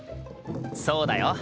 そうだよ。